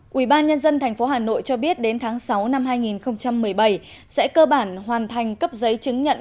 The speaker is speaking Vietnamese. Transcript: quỹ ban nhân dân tp hà nội cho biết đến tháng sáu năm hai nghìn một mươi bảy sẽ cơ bản hoàn thành cấp giấy chứng nhận